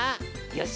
よし！